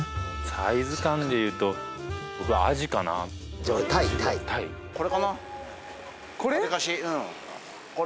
サイズ感でいうと僕アジかなじゃあ俺タイタイタイこれかなわりかしうんこれ？